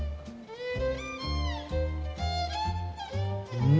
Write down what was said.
うん！